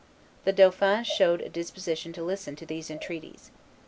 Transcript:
The dauphin showed a disposition to listen to these entreaties.